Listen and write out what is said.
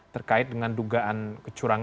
terkait dengan dugaan kecurangan